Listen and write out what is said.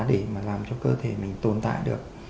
để mà làm cho cơ thể mình tồn tại được